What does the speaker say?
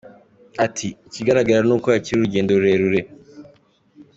Ati “Ikigaragara ni uko hakiri urugendo rurerure.